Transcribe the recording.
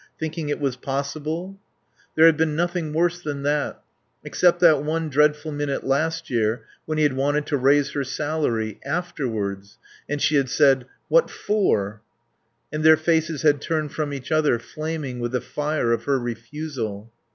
Thinking it was possible. There had been nothing worse than that. Except that one dreadful minute last year when he had wanted to raise her salary afterwards and she had said "What for?" And their faces had turned from each other, flaming with the fire of her refusal.